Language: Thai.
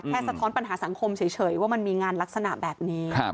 สะท้อนปัญหาสังคมเฉยว่ามันมีงานลักษณะแบบนี้